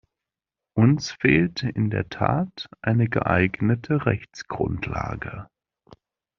Uns fehlt in der Tat eine geeignete Rechtsgrundlage.